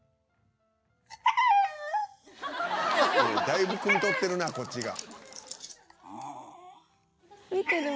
「だいぶくみ取ってるなこっちが」